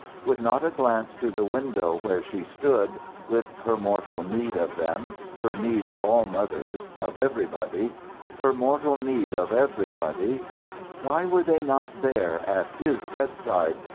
With not a glance to the window where she stood, with her mortal need of them, her need of all mothers, of everybody her mortal need of everybody! Why were they not there at his bedside?